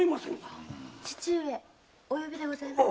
父上お呼びでございますか？